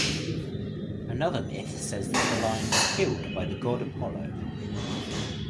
Another myth says that the lion was killed by the god Apollo.